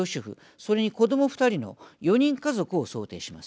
それに、子ども２人の４人家族を想定します。